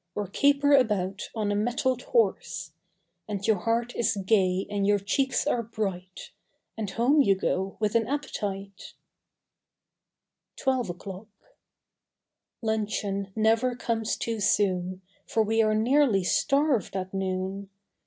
Or caper about on a mettled horse! And your heart is gay and your cheeks are bright— And home you go with an appetite! 21 ELEVEN O'CLOCK 23 TWELVE O'CLOCK 1 UNCHEON never comes too soon, J Eor we are nearly starved at noon!